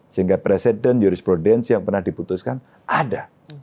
sehingga presiden jurisprudensi yang pernah diputuskan ada